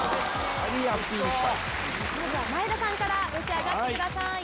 前田さんから召し上がってください。